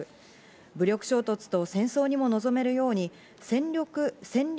武力衝突と戦争にも臨めるように戦略